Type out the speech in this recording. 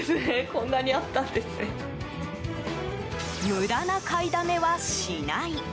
無駄な買いだめはしない。